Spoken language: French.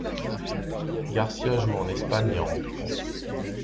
García joue en Espagne et en France.